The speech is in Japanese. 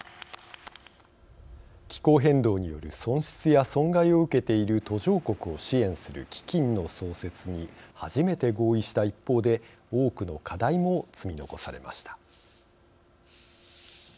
気候変動による損失や損害を受けている途上国を支援する基金の創設に初めて合意した一方で多くの課題も積み残されました。